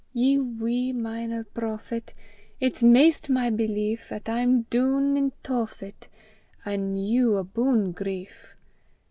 Ye wee minor prophet, It's maist my belief 'At I'm doon i' Tophet, An' you abune grief!